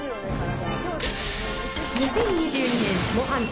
２０２２年下半期